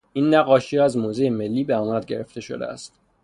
این نقاشیها از موزهی ملی به امانت گرفته شده است.